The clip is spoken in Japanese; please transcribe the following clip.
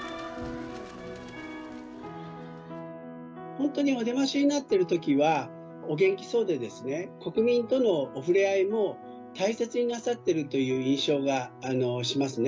本当にお出ましになっているときは、お元気そうでですね、国民とのお触れ合いも大切になさっているという印象がしますね。